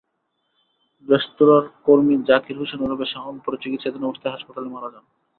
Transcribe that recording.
রেস্তোরাঁর কর্মী জাকির হোসেন ওরফে শাওন পরে চিকিৎসাধীন অবস্থায় হাসপাতালে মারা যান।